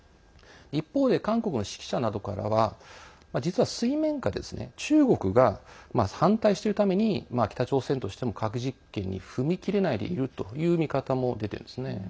一方で、韓国の識者などからは実は水面下で中国が反対しているために北朝鮮としても核実験に踏み切れないでいるという見方も出ているんですね。